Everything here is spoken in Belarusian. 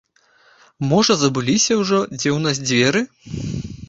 Можа, забыліся ўжо, дзе ў нас дзверы?